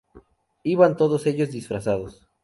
Iban todos ellos disfrazados.